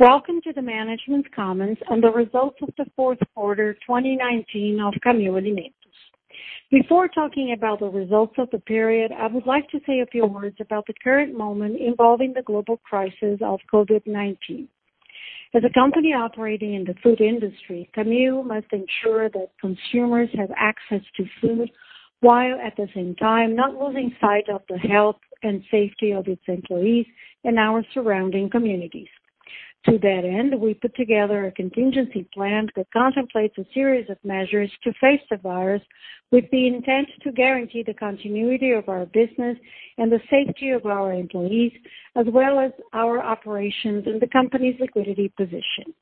Welcome to the management comments on the results of the fourth quarter 2019 of Camil Alimentos. Before talking about the results of the period, I would like to say a few words about the current moment involving the global crisis of COVID-19. As a company operating in the food industry, Camil Alimentos must ensure that consumers have access to food, while at the same time not losing sight of the health and safety of its employees and our surrounding communities. To that end, we put together a contingency plan that contemplates a series of measures to face the virus with the intent to guarantee the continuity of our business and the safety of our employees, as well as our operations and the company's liquidity position.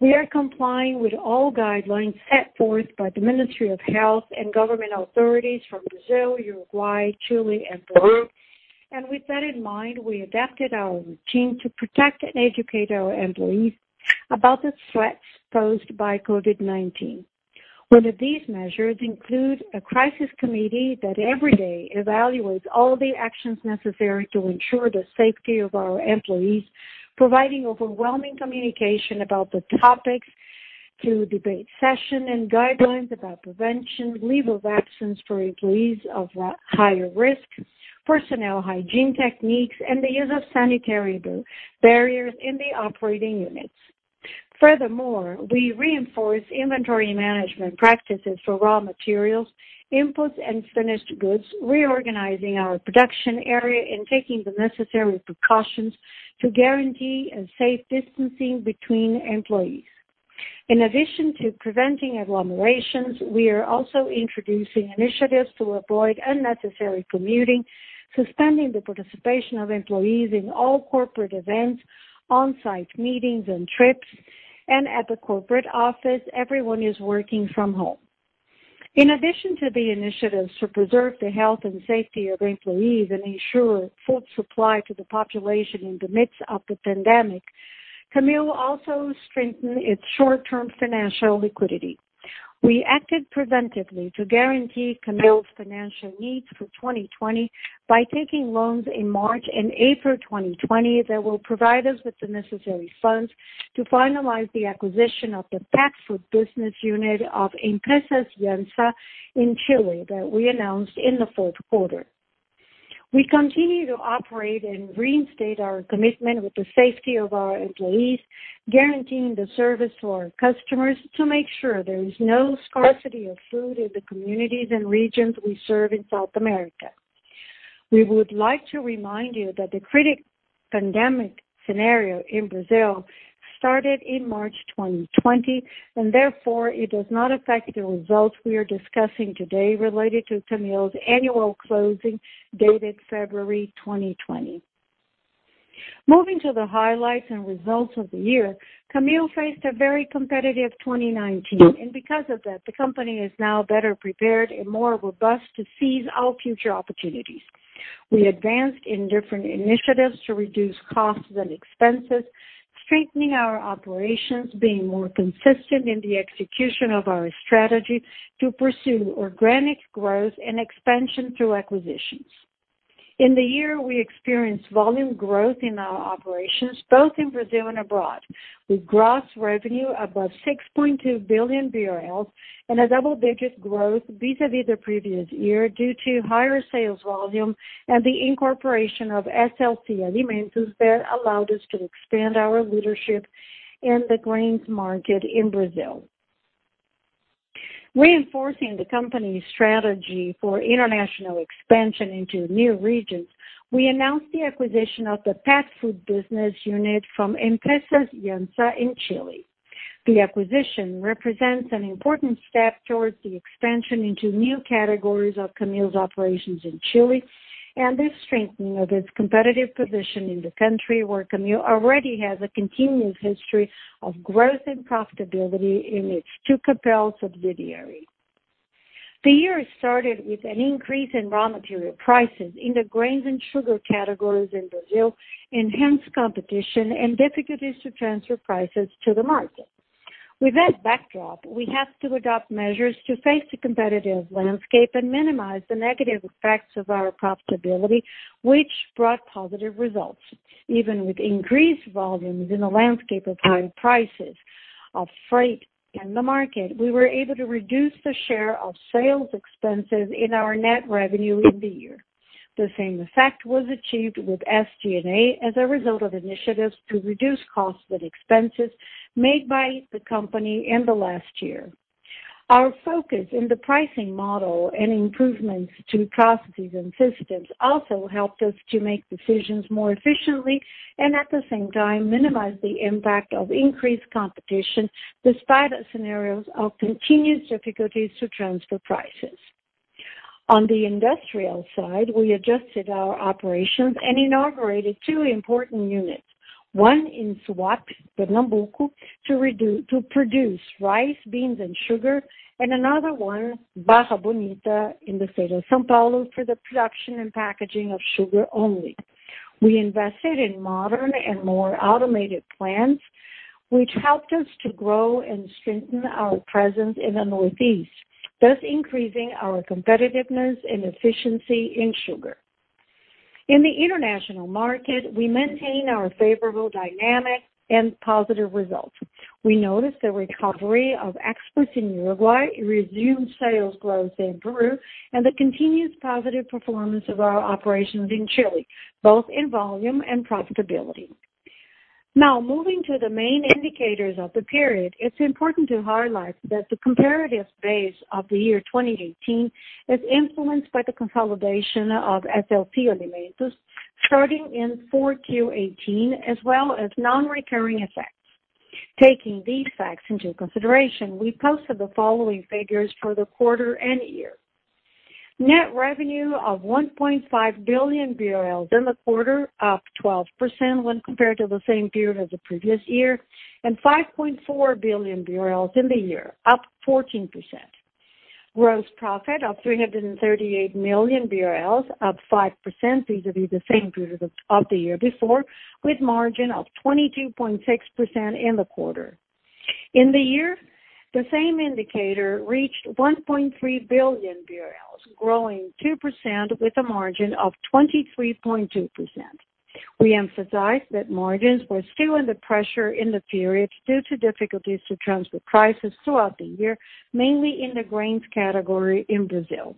We are complying with all guidelines set forth by the Ministry of Health and government authorities from Brazil, Uruguay, Chile, and Peru. With that in mind, we adapted our routine to protect and educate our employees about the threats posed by COVID-19. One of these measures include a crisis committee that every day evaluates all the actions necessary to ensure the safety of our employees, providing overwhelming communication about the topics through debate session and guidelines about prevention, leave of absence for employees of higher risk, personal hygiene techniques, and the use of sanitary barriers in the operating units. Furthermore, we reinforce inventory management practices for raw materials, inputs, and finished goods, reorganizing our production area and taking the necessary precautions to guarantee a safe distancing between employees. In addition to preventing agglomerations, we are also introducing initiatives to avoid unnecessary commuting, suspending the participation of employees in all corporate events, on-site meetings and trips, and at the corporate office, everyone is working from home. In addition to the initiatives to preserve the health and safety of employees and ensure food supply to the population in the midst of the pandemic, Camil Alimentos also strengthened its short-term financial liquidity. We acted preventively to guarantee Camil's financial needs for 2020 by taking loans in March and April 2020 that will provide us with the necessary funds to finalize the acquisition of the pet food business unit of Empresas Iansa in Chile, that we announced in the fourth quarter. We continue to operate and reinstate our commitment with the safety of our employees, guaranteeing the service to our customers to make sure there is no scarcity of food in the communities and regions we serve in South America. We would like to remind you that the critical pandemic scenario in Brazil started in March 2020 and therefore it does not affect the results we are discussing today related to Camil's annual closing, dated February 2020. Moving to the highlights and results of the year, Camil Alimentos faced a very competitive 2019 and because of that, the company is now better prepared and more robust to seize all future opportunities. We advanced in different initiatives to reduce costs and expenses, strengthening our operations, being more consistent in the execution of our strategy to pursue organic growth and expansion through acquisitions. In the year, we experienced volume growth in our operations both in Brazil and abroad, with gross revenue above 6.2 billion BRL and a double-digit growth vis-a-vis the previous year due to higher sales volume and the incorporation of SLC Alimentos that allowed us to expand our leadership in the grains market in Brazil. Reinforcing the company's strategy for international expansion into new regions, we announced the acquisition of the pet food business unit from Empresas Iansa in Chile. The acquisition represents an important step towards the expansion into new categories of Camil's operations in Chile and the strengthening of its competitive position in the country where Camil Alimentos already has a continuous history of growth and profitability in its two Empresas Tucapel subsidiaries. The year started with an increase in raw material prices in the grains and sugar categories in Brazil, enhanced competition and difficulties to transfer prices to the market. With that backdrop, we have to adopt measures to face the competitive landscape and minimize the negative effects of our profitability, which brought positive results. Even with increased volumes in the landscape of high prices of freight in the market, we were able to reduce the share of sales expenses in our net revenue in the year. The same effect was achieved with SG&A as a result of initiatives to reduce costs and expenses made by the company in the last year. Our focus in the pricing model and improvements to processes and systems also helped us to make decisions more efficiently and at the same time minimize the impact of increased competition despite the scenarios of continuous difficulties to transfer prices. On the industrial side, we adjusted our operations and inaugurated two important units, one in Suape, Pernambuco, to produce rice, beans, and sugar, and another one, Barra Bonita in the state of São Paulo for the production and packaging of sugar only. We invested in modern and more automated plants, which helped us to grow and strengthen our presence in the Northeast, thus increasing our competitiveness and efficiency in sugar. In the international market, we maintain our favorable dynamic and positive results. We noticed the recovery of exports in Uruguay, resumed sales growth in Peru, the continuous positive performance of our operations in Chile, both in volume and profitability. Now moving to the main indicators of the period, it's important to highlight that the comparative base of the year 2018 is influenced by the consolidation of SLC Alimentos starting in 4Q 2018, as well as non-recurring effects. Taking these facts into consideration, we posted the following figures for the quarter and year. Net revenue of 1.5 billion BRL in the quarter, up 12% when compared to the same period as the previous year, and 5.4 billion BRL in the year, up 14%. Gross profit of 338 million BRL, up 5% vis-à-vis the same period of the year before, with margin of 22.6% in the quarter. In the year, the same indicator reached 1.3 billion BRL, growing 2% with a margin of 23.2%. We emphasize that margins were still under pressure in the period due to difficulties to transfer prices throughout the year, mainly in the grains category in Brazil.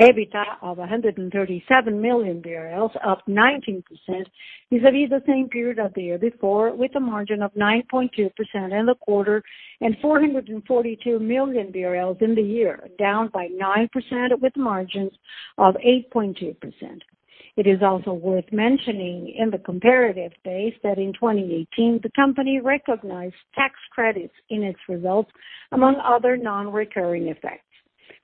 EBITDA of 137 million BRL, up 19%, vis-à-vis the same period of the year before, with a margin of 9.2% in the quarter, and 442 million BRL in the year, down by 9% with margins of 8.2%. It is also worth mentioning in the comparative base that in 2018, the company recognized tax credits in its results, among other non-recurring effects.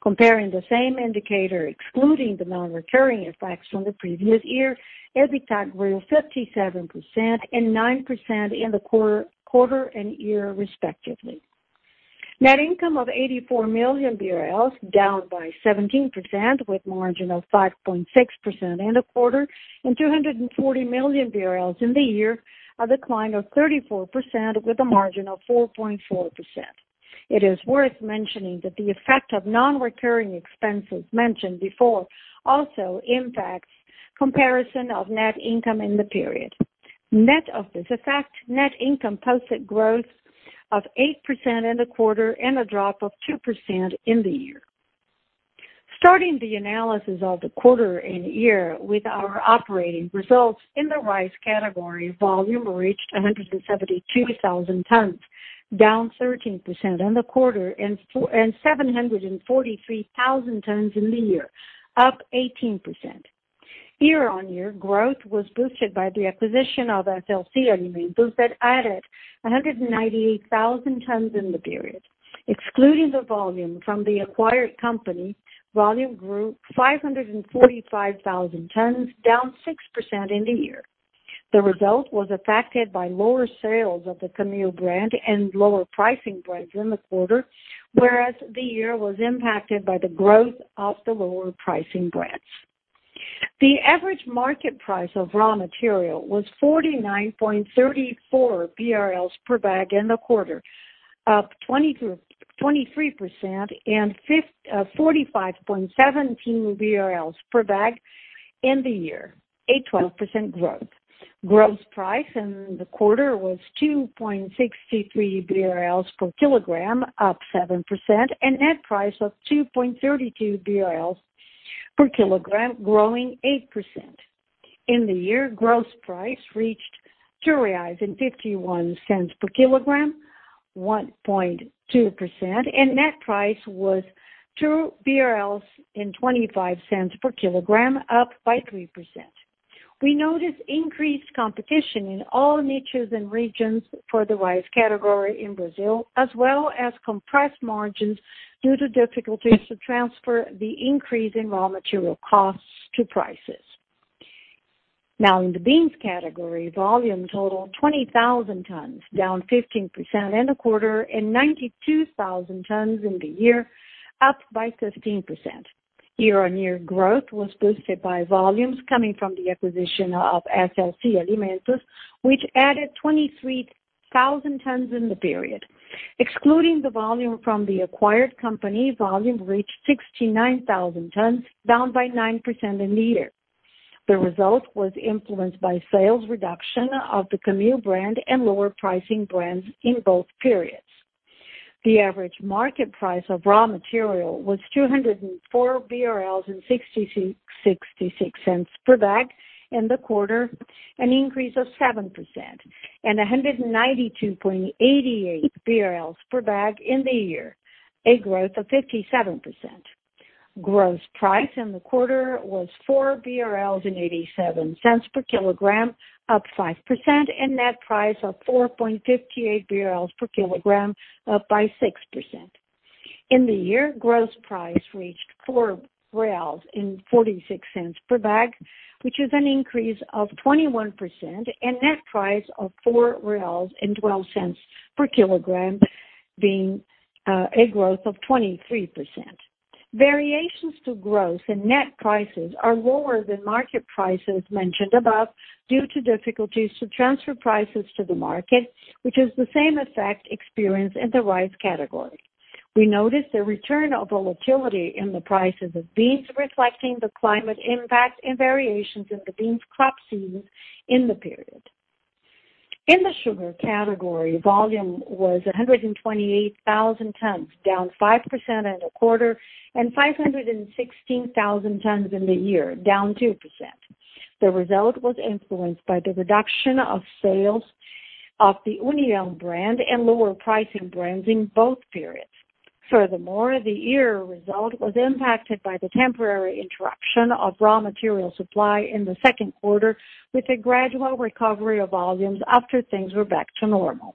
Comparing the same indicator, excluding the non-recurring effects from the previous year, EBITDA grew 57% and 9% in the quarter and year respectively. Net income of 84 million BRL, down by 17%, with margin of 5.6% in the quarter, and 240 million BRL in the year, a decline of 34% with a margin of 4.4%. It is worth mentioning that the effect of non-recurring expenses mentioned before also impacts comparison of net income in the period. Net of this effect, net income posted growth of 8% in the quarter and a drop of 2% in the year. Starting the analysis of the quarter and year with our operating results in the rice category, volume reached 172,000 tons, down 13% in the quarter and 743,000 tons in the year, up 18%. Year-on-year growth was boosted by the acquisition of SLC Alimentos that added 198,000 tons in the period. Excluding the volume from the acquired company, volume grew 545,000 tons, down 6% in the year. The result was affected by lower sales of the Camil Alimentos brand and lower pricing brands in the quarter, whereas the year was impacted by the growth of the lower pricing brands. The average market price of raw material was 49.34 BRL per bag in the quarter, up 23%, and 45.17 BRL per bag in the year, a 12% growth. Gross price in the quarter was 2.63 BRL per kg, up 7%, and net price of 2.32 BRL per kg, growing 8%. In the year, gross price reached 2.51 reais per kg, 1.2%, and net price was 2.25 BRL per kg, up by 3%. We noticed increased competition in all niches and regions for the rice category in Brazil, as well as compressed margins due to difficulties to transfer the increase in raw material costs to prices. In the beans category, volume totaled 20,000 tons, down 15% in the quarter, and 92,000 tons in the year, up by 15%. Year-on-year growth was boosted by volumes coming from the acquisition of SLC Alimentos, which added 23,000 tons in the period. Excluding the volume from the acquired company, volume reached 69,000 tons, down by 9% in the year. The result was influenced by sales reduction of the Camil Alimentos brand and lower pricing brands in both periods. The average market price of raw material was 204.66 BRL per bag in the quarter, an increase of 7%, and 192.88 BRL per bag in the year, a growth of 57%. Gross price in the quarter was 4.87 BRL per kg, up 5%, and net price of 4.58 BRL per kg, up by 6%. In the year, gross price reached 4.46 per bag, which is an increase of 21%, and net price of 4.12 per kilogram, being a growth of 23%. Variations to gross and net prices are lower than market prices mentioned above due to difficulties to transfer prices to the market, which is the same effect experienced in the rice category. We noticed the return of volatility in the prices of beans, reflecting the climate impact and variations in the beans crop season in the period. In the sugar category, volume was 128,000 tons, down 5% in the quarter, and 516,000 tons in the year, down 2%. The result was influenced by the reduction of sales of the União brand and lower pricing brands in both periods. Furthermore, the year result was impacted by the temporary interruption of raw material supply in the second quarter, with a gradual recovery of volumes after things were back to normal.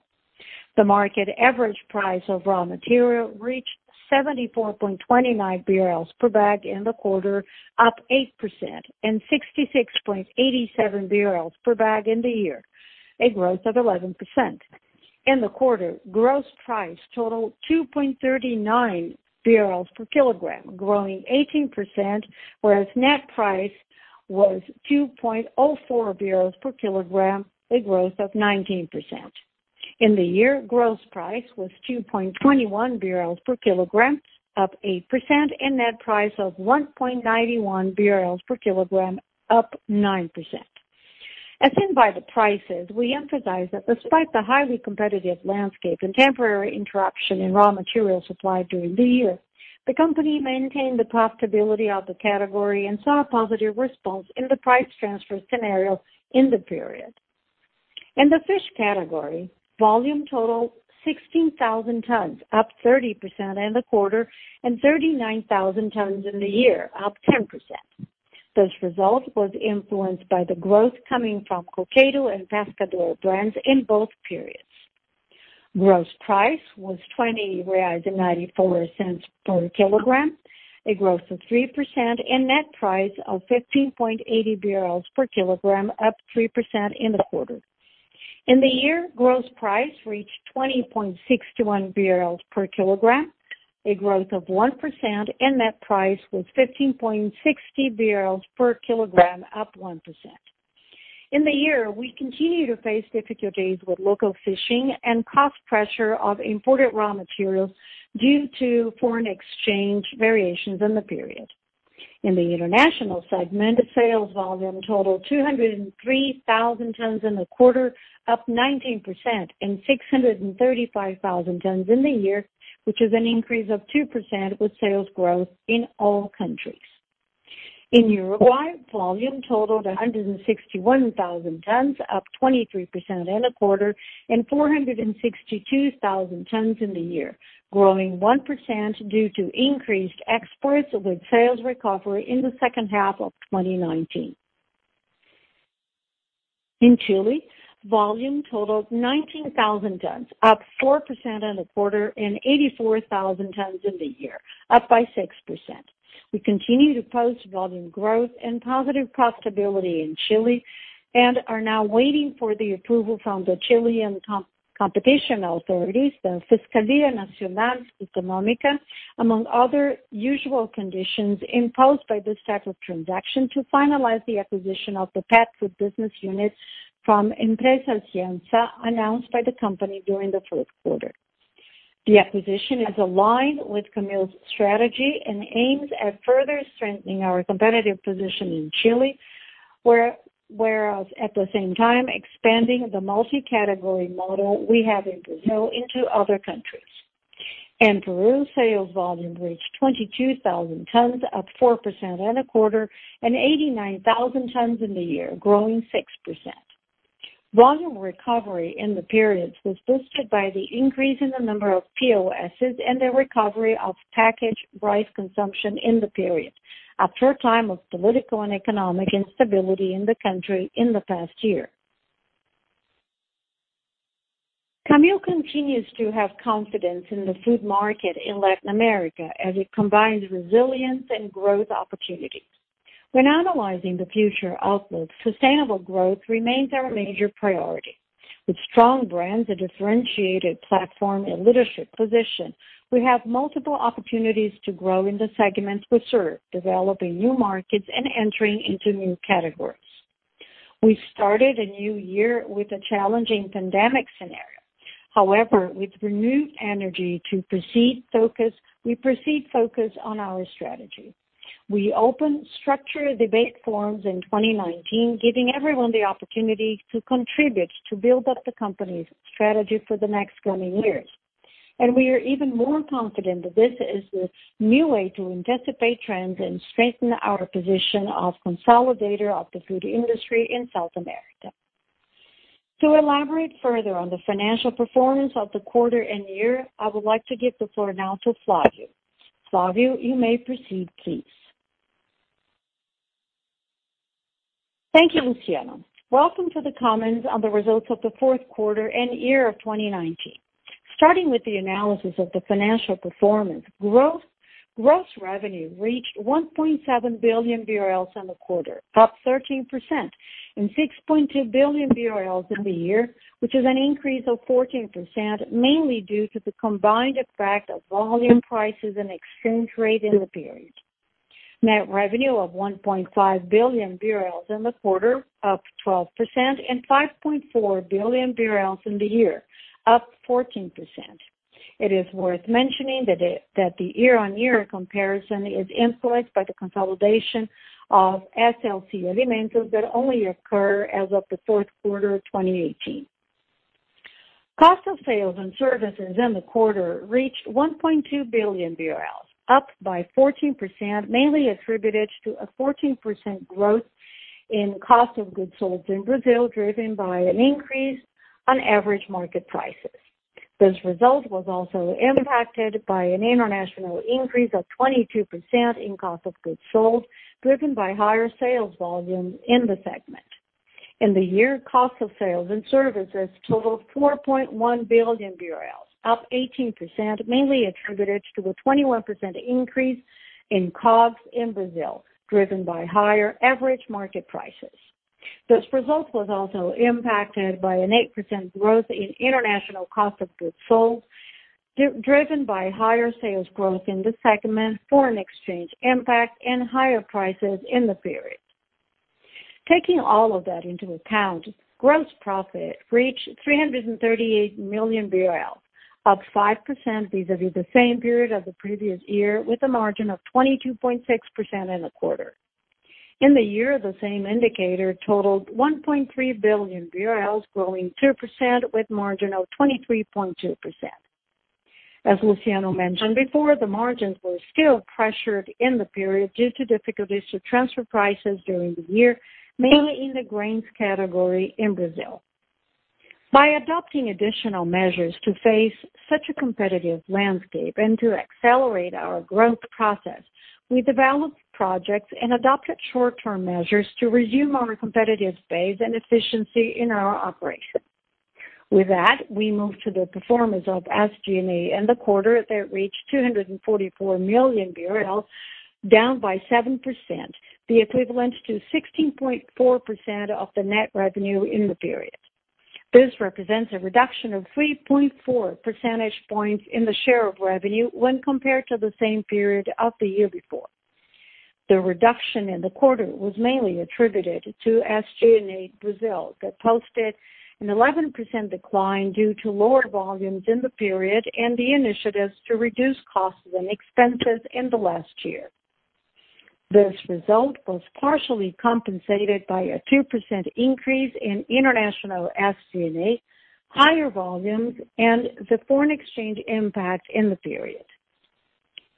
The market average price of raw material reached 74.29 per bag in the quarter, up 8%, and 66.87 per bag in the year, a growth of 11%. In the quarter, gross price totaled 2.39 per kilogram, growing 18%, whereas net price was 2.04 per kg, a growth of 19%. In the year, gross price was 2.21 per kg, up 8%, and net price of 1.91 per kg, up 9%. As seen by the prices, we emphasize that despite the highly competitive landscape and temporary interruption in raw material supply during the year, the company maintained the profitability of the category and saw a positive response in the price transfer scenario in the period. In the fish category, volume totaled 16,000 tons, up 30% in the quarter, and 39,000 tons in the year, up 10%. This result was influenced by the growth coming from Coqueiro and Pescador brands in both periods. Gross price was 20.94 reais per kg, a growth of 3%, and net price of 15.80 per kg, up 3% in the quarter. In the year, gross price reached 20.61 per kg, a growth of 1%, and net price was 15.60 per kg, up 1%. In the year, we continue to face difficulties with local fishing and cost pressure of imported raw materials due to foreign exchange variations in the period. In the international segment, sales volume totaled 203,000 tons in the quarter, up 19%, and 635,000 tons in the year, which is an increase of 2% with sales growth in all countries. In Uruguay, volume totaled 161,000 tons, up 23% in the quarter, and 462,000 tons in the year, growing 1% due to increased exports with sales recovery in the second half of 2019. In Chile, volume totaled 19,000 tons, up 4% in the quarter, and 84,000 tons in the year, up by 6%. We continue to post volume growth and positive profitability in Chile and are now waiting for the approval from the Chilean competition authorities, the Fiscalía Nacional Económica, among other usual conditions imposed by this type of transaction to finalize the acquisition of the pet food business unit from Empresas Iansa announced by the company during the fourth quarter. The acquisition is aligned with Camil's strategy and aims at further strengthening our competitive position in Chile, whereas at the same time expanding the multi-category model we have in Brazil into other countries. In Peru, sales volume reached 22,000 tons, up 4% in the quarter, and 89,000 tons in the year, growing 6%. Volume recovery in the periods was boosted by the increase in the number of POS and the recovery of packaged rice consumption in the period, after a time of political and economic instability in the country in the past year. Camil Alimentos continues to have confidence in the food market in Latin America as it combines resilience and growth opportunities. When analyzing the future outlook, sustainable growth remains our major priority. With strong brands, a differentiated platform, and leadership position, we have multiple opportunities to grow in the segments we serve, developing new markets and entering into new categories. We started a new year with a challenging pandemic scenario. However, with renewed energy, we proceed focus on our strategy. We open structure debate forums in 2019, giving everyone the opportunity to contribute to build up the company's strategy for the next coming years. We are even more confident that this is the new way to anticipate trends and strengthen our position of consolidator of the food industry in South America. To elaborate further on the financial performance of the quarter and year, I would like to give the floor now to Flavio. Flavio, you may proceed, please. Thank you, Luciano. Welcome to the comments on the results of the fourth quarter and year of 2019. Starting with the analysis of the financial performance, gross revenue reached 1.7 billion BRL in the quarter, up 13%, and 6.2 billion BRL in the year, which is an increase of 14%, mainly due to the combined effect of volume prices and exchange rate in the period. Net revenue of 1.5 billion BRL in the quarter, up 12%, and 5.4 billion BRL in the year, up 14%. It is worth mentioning that the year-on-year comparison is influenced by the consolidation of SLC Alimentos that only occur as of the fourth quarter of 2018. Cost of sales and services in the quarter reached 1.2 billion BRL, up by 14%, mainly attributed to a 14% growth in cost of goods sold in Brazil, driven by an increase on average market prices. This result was also impacted by an international increase of 22% in cost of goods sold, driven by higher sales volumes in the segment. In the year, cost of sales and services totaled 4.1 billion BRL, up 18%, mainly attributed to the 21% increase in COGS in Brazil, driven by higher average market prices. This result was also impacted by an 8% growth in international cost of goods sold, driven by higher sales growth in the segment, foreign exchange impact, and higher prices in the period. Taking all of that into account, gross profit reached 338 million BRL, up 5% vis-a-vis the same period of the previous year, with a margin of 22.6% in the quarter. In the year, the same indicator totaled 1.3 billion BRL, growing 2% with margin of 23.2%. As Luciano mentioned before, the margins were still pressured in the period due to difficulties to transfer prices during the year, mainly in the grains category in Brazil. By adopting additional measures to face such a competitive landscape and to accelerate our growth process, we developed projects and adopted short-term measures to resume our competitive base and efficiency in our operation. With that, we move to the performance of SG&A in the quarter that reached 244 million, down by 7%, the equivalent to 16.4% of the net revenue in the period. This represents a reduction of 3.4 percentage points in the share of revenue when compared to the same period of the year before. The reduction in the quarter was mainly attributed to SG&A Brazil, that posted an 11% decline due to lower volumes in the period and the initiatives to reduce costs and expenses in the last year. This result was partially compensated by a 2% increase in international SG&A, higher volumes, and the foreign exchange impact in the period.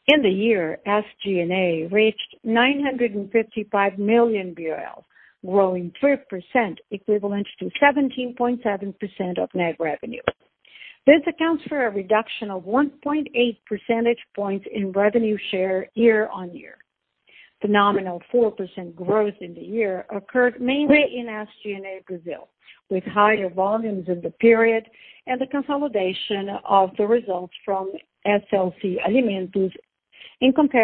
In the year, SG&A reached 955 million, growing 3% equivalent to 17.7% of net revenue. This accounts for a reduction of 1.8 percentage points in revenue share year-on-year. The nominal 4% growth in the year occurred mainly in SG&A Brazil, with higher volumes in the period and the consolidation of the results from SLC Alimentos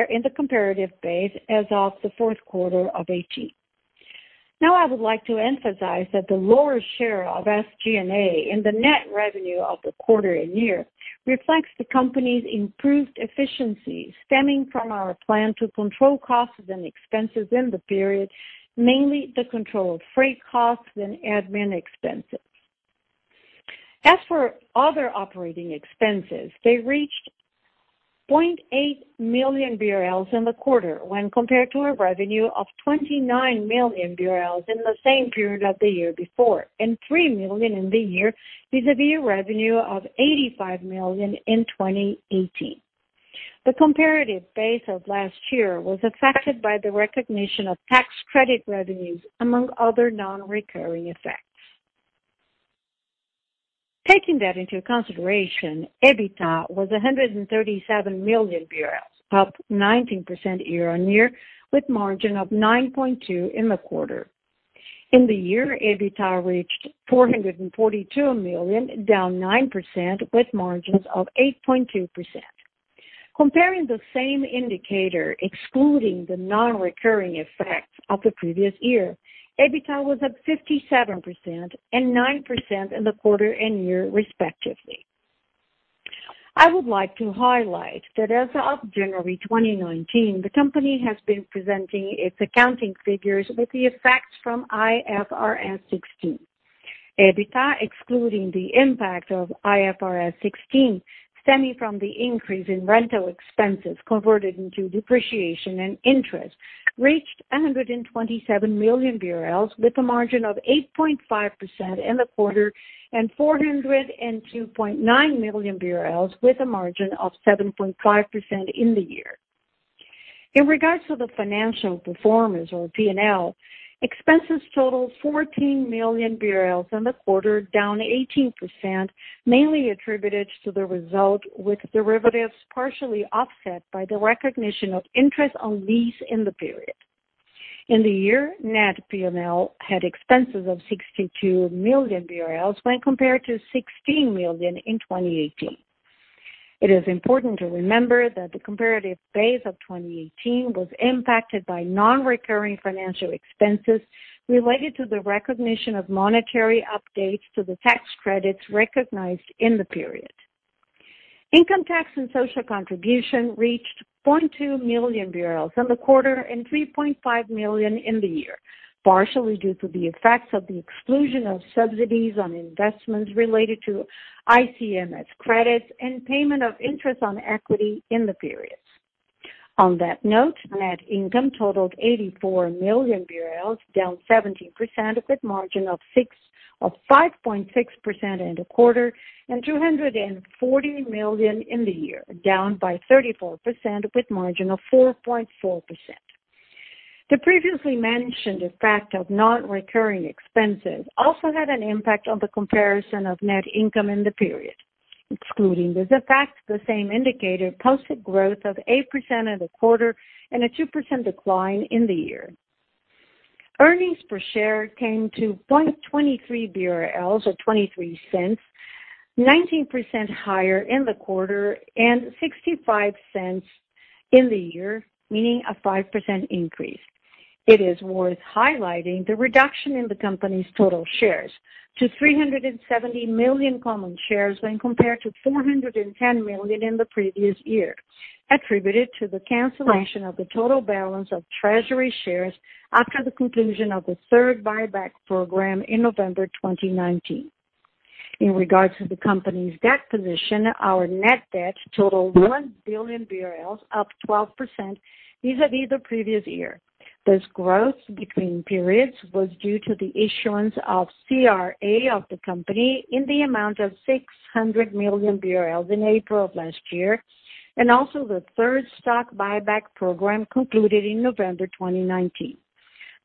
in the comparative base as of the fourth quarter of 2018. I would like to emphasize that the lower share of SG&A in the net revenue of the quarter and year reflects the company's improved efficiency stemming from our plan to control costs and expenses in the period, mainly the control of freight costs and admin expenses. As for other operating expenses, they reached 0.8 million BRL in the quarter when compared to a revenue of 29 million BRL in the same period of the year before, and 3 million in the year vis-a-vis a revenue of 85 million in 2018. The comparative base of last year was affected by the recognition of tax credit revenues, among other non-recurring effects. Taking that into consideration, EBITDA was 137 million BRL, up 19% year-on-year with margin of 9.2% in the quarter. In the year, EBITDA reached 442 million, down 9% with margins of 8.2%. Comparing the same indicator, excluding the non-recurring effects of the previous year, EBITDA was up 57% and 9% in the quarter and year, respectively. I would like to highlight that as of January 2019, the company has been presenting its accounting figures with the effects from IFRS 16. EBITDA, excluding the impact of IFRS 16, stemming from the increase in rental expenses converted into depreciation and interest, reached 127 million BRL with a margin of 8.5% in the quarter, and 402.9 million BRL with a margin of 7.5% in the year. In regards to the financial performance or P&L, expenses totaled 14 million BRL in the quarter, down 18%, mainly attributed to the result with derivatives partially offset by the recognition of interest on lease in the period. In the year, net P&L had expenses of 62 million BRL when compared to 16 million in 2018. It is important to remember that the comparative base of 2018 was impacted by non-recurring financial expenses related to the recognition of monetary updates to the tax credits recognized in the period. Income tax and social contribution reached 0.2 million BRL in the quarter and 3.5 million in the year, partially due to the effects of the exclusion of subsidies on investments related to ICMS credits and payment of interest on equity in the periods. Net income totaled 84 million BRL, down 17%, with margin of 5.6% in the quarter, and 240 million in the year, down by 34%, with margin of 4.4%. The previously mentioned effect of non-recurring expenses also had an impact on the comparison of net income in the period. Excluding this effect, the same indicator posted growth of 8% in the quarter and a 2% decline in the year. Earnings per share came to 1.23 BRL or 0.23, 19% higher in the quarter, and 0.65 in the year, meaning a 5% increase. It is worth highlighting the reduction in the company's total shares to 370 million common shares when compared to 410 million in the previous year, attributed to the cancellation of the total balance of treasury shares after the conclusion of the third buyback program in November 2019. In regards to the company's debt position, our net debt totaled 1 billion BRL, up 12% vis-a-vis the previous year. This growth between periods was due to the issuance of CRA of the company in the amount of 600 million BRL in April 2019, and also the third stock buyback program concluded in November 2019.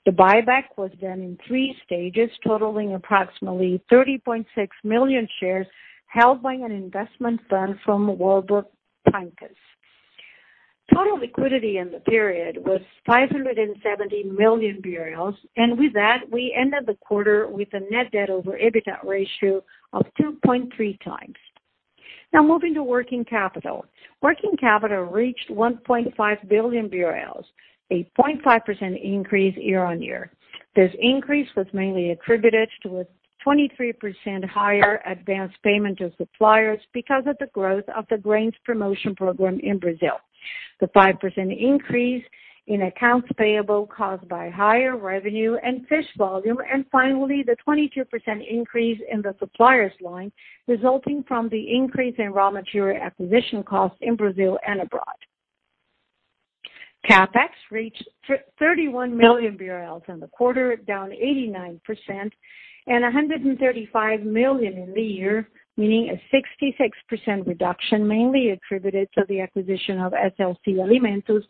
The buyback was done in three stages, totaling approximately 30.6 million shares held by an investment firm from Warburg Pincus. Total liquidity in the period was 570 million BRL, and with that, we ended the quarter with a net debt over EBITDA ratio of 2.3x. Moving to working capital. Working capital reached 1.5 billion BRL, a 0.5% increase year-on-year. This increase was mainly attributed to a 23% higher advanced payment to suppliers because of the growth of the grains promotion program in Brazil. The 5% increase in accounts payable caused by higher revenue and fish volume, and finally, the 22% increase in the suppliers line, resulting from the increase in raw material acquisition cost in Brazil and abroad. CapEx reached 31 million BRL in the quarter, down 89%, and 135 million in the year, meaning a 66% reduction, mainly attributed to the acquisition of SLC Alimentos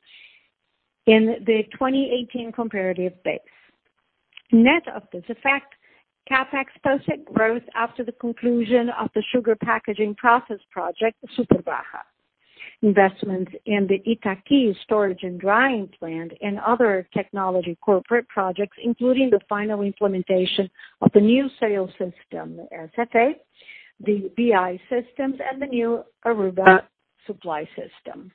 in the 2018 comparative base. Net of this effect, CapEx posted growth after the conclusion of the sugar packaging process project, the Super Barra. Investments in the Itaqui storage and drying plant and other technology corporate projects, including the final implementation of the new sales system, the SSA, the BI systems, and the new Ariba supply system.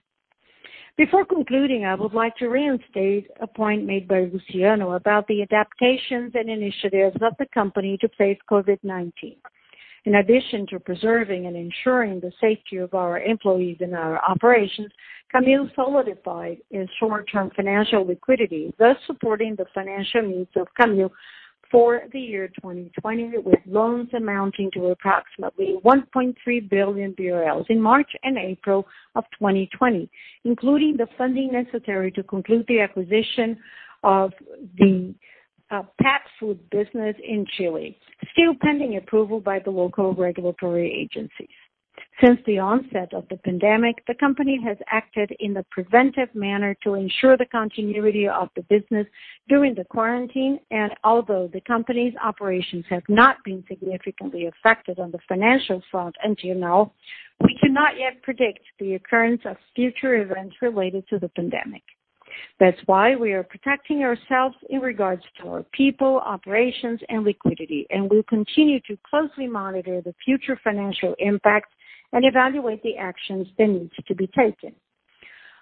Before concluding, I would like to reinstate a point made by Luciano about the adaptations and initiatives of the company to face COVID-19. In addition to preserving and ensuring the safety of our employees and our operations, Camil Alimentos solidified its short-term financial liquidity, thus supporting the financial needs of Camil Alimentos for the year 2020, with loans amounting to approximately 1.3 billion BRL in March and April of 2020, including the funding necessary to conclude the acquisition of the pet food business in Chile, still pending approval by the local regulatory agencies. Since the onset of the pandemic, the company has acted in the preventive manner to ensure the continuity of the business during the quarantine. Although the company's operations have not been significantly affected on the financial front until now, we cannot yet predict the occurrence of future events related to the pandemic. That's why we are protecting ourselves in regards to our people, operations, and liquidity, and we'll continue to closely monitor the future financial impacts and evaluate the actions that needs to be taken.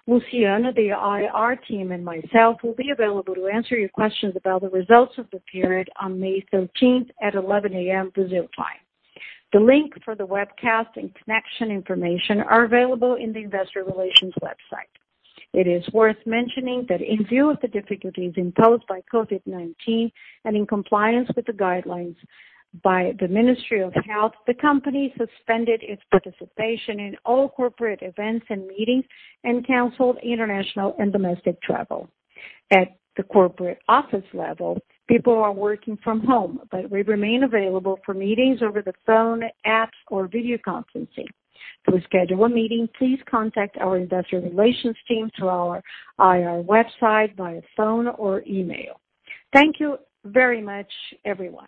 Luciano, the IR team, and myself will be available to answer your questions about the results of the period on May 13th at 11:00 A.M. Brazil time. The link for the webcast and connection information are available in the Investor Relations website. It is worth mentioning that in view of the difficulties imposed by COVID-19 and in compliance with the guidelines by the Ministry of Health, the company suspended its participation in all corporate events and meetings and canceled international and domestic travel. At the corporate office level, people are working from home, but we remain available for meetings over the phone, apps, or video conferencing. To schedule a meeting, please contact our investor relations team through our IR website via phone or email. Thank you very much, everyone.